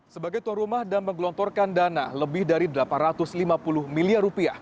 sebagai tuan rumah dan menggelontorkan dana lebih dari rp delapan ratus lima puluh miliar